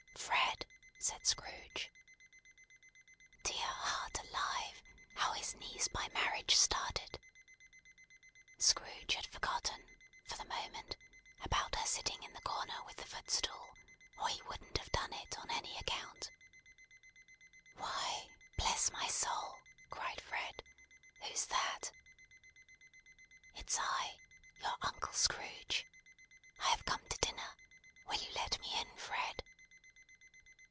"Fred!" said Scrooge. Dear heart alive, how his niece by marriage started! Scrooge had forgotten, for the moment, about her sitting in the corner with the footstool, or he wouldn't have done it, on any account. "Why bless my soul!" cried Fred, "who's that?" "It's I. Your uncle Scrooge. I have come to dinner. Will you let me in, Fred?"